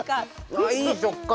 あっいい食感。